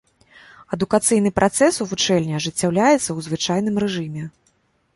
Адукацыйны працэс у вучэльні ажыццяўляецца ў звычайным рэжыме.